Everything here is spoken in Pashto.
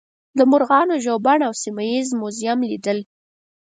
د مرغانو ژوبڼ او سیمه ییز موزیم لیدل.